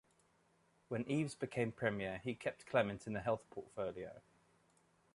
When Eves became Premier, he kept Clement in the Health portfolio.